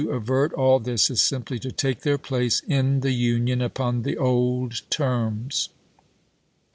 avert all this is simply to take their place in the Union chap, xvi upon the old terms.